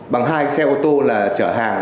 bằng hai xe ô tô trở hàng